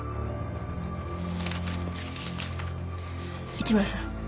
市村さん。